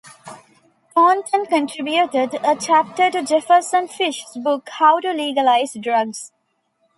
Thornton contributed a chapter to Jefferson Fish's book "How to Legalize Drugs".